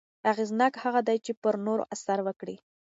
اغېزناک هغه دی چې پر نورو اثر وکړي.